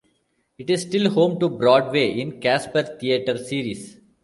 It is still home to Broadway in Casper theatre series.